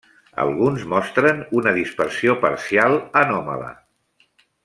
Alguns mostren una dispersió parcial anòmala.